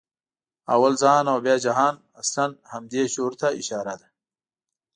«اول ځان او بیا جهان» اصلاً همدې شعور ته اشاره ده.